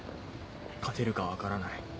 勝てるか分からない。